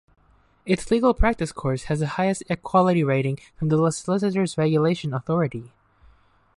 Its Legal Practice Course has the highest quality rating from the Solicitors Regulation Authority.